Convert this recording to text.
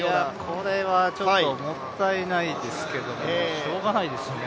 これは、ちょっともったいないですけども、しょうがないですよね。